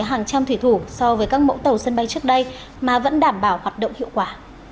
hàng trăm thủy thủ so với các mẫu tàu sân bay trước đây mà vẫn đảm bảo hoạt động hiệu quả